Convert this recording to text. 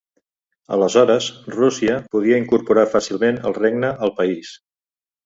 Aleshores, Rússia podia incorporar fàcilment el regne al país.